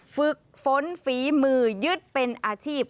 ฝึกฝนฝีมือยึดเป็นอาชีพ